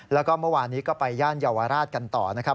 แล้วก็เมื่อวานนี้ก็ไปย่านเยาวราชกันต่อนะครับ